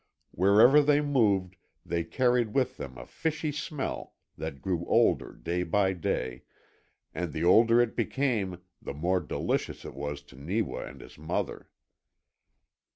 Wherever they moved they carried with them a fishy smell that grew older day by day, and the older it became the more delicious it was to Neewa and his mother.